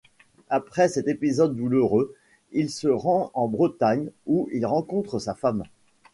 Après cet épisode douloureux il se rend en Bretagne où il rencontre sa femme.